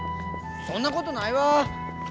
そんなことないわ。